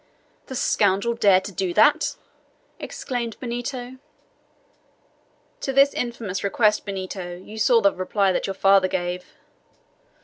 "The scoundrel dared to do that!" exclaimed Benito. "To this infamous request, Benito, you saw the reply that your father gave."